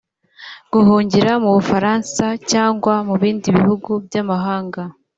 Guhungira mu Bufaransa cyangwa mu bindi bihugu by’amahanga